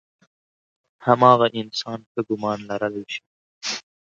هماغه انسان ښه ګمان لرلی شي.